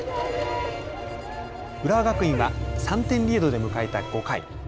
浦和学院は３点リードで迎えた５回。